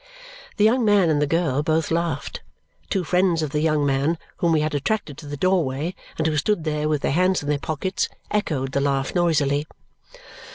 The young man and the girl both laughed. Two friends of the young man, whom we had attracted to the doorway and who stood there with their hands in their pockets, echoed the laugh noisily.